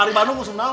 arif banu musim tau